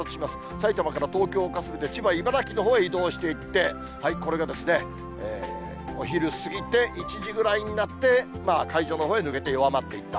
埼玉から東京をかすめて千葉、茨城のほうへ移動していって、これがお昼過ぎて、１時ぐらいになって、海上のほうへ抜けてえ弱まっていった。